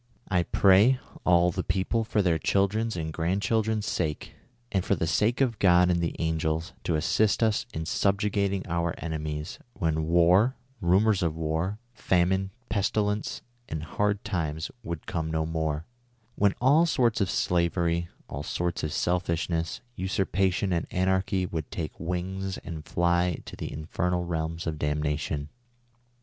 I pray, all the people, for their children's and grandcliildren's sake ; and for the sake of God and the angels, to assist us in subjugating our enemies ; when war, rumors of war, famine, pestilence and hard times would come no more ; when all sorts of slavery, all sorts of selfishness, usurpation and anarchy would take wings and fly to the infernal realms of damnation